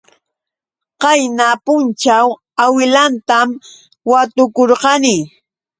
Qayna punćhaw awilaytam watukurqani.